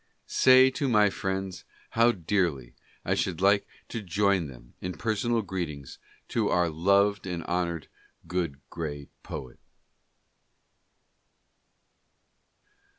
Say to my friends how dearly I should like to 58 LETTERS. join them in personal greetings to our loved and honored Good Gray Poet.